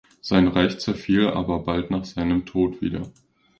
Sein Reich zerfiel aber bald nach seinem Tod wieder.